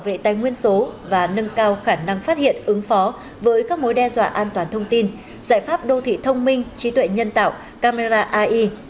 về tài nguyên số và nâng cao khả năng phát hiện ứng phó với các mối đe dọa an toàn thông tin giải pháp đô thị thông minh trí tuệ nhân tạo camera ai